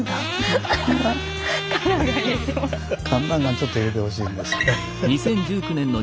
ちょっと入れてほしいんですけど。